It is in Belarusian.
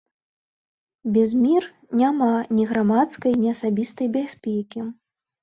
Без мір няма ні грамадскай, ні асабістай бяспекі.